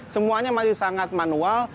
semuanya masih sangat manual